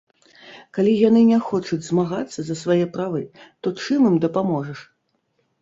Калі яны не хочуць змагацца за свае правы, то чым ім дапаможаш?